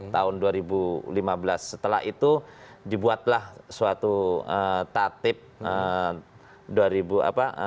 tahun dua ribu lima belas setelah itu dibuatlah suatu tatip dua ribu apa